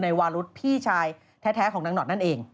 วารุธพี่ชายแท้ของนางหอดนั่นเอง